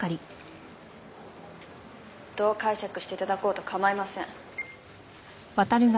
「どう解釈して頂こうと構いません」